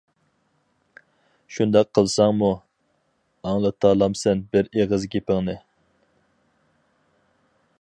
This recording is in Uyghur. شۇنداق قىلساڭمۇ، ئاڭلىتالامسەن بىر ئېغىز گېپىڭنى!